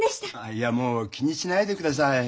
いやもう気にしないでください。